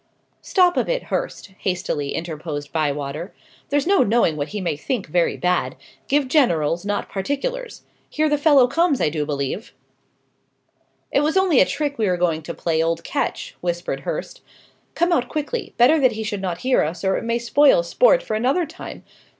"Stop a bit, Hurst," hastily interposed Bywater. "There's no knowing what he may think 'very bad.' Give generals, not particulars. Here the fellow comes, I do believe!" "It was only a trick we were going to play old Ketch," whispered Hurst. "Come out quickly; better that he should not hear us, or it may spoil sport for another time.